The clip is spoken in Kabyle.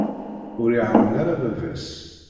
Ur iɛawen ara baba-s.